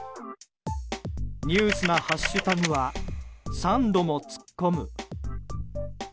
ニュースなハッシュタグは「＃３度も突っ込む」。